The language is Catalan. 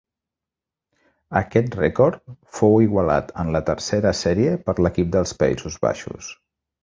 Aquest rècord fou igualat en la tercera sèrie per l'equip dels Països Baixos.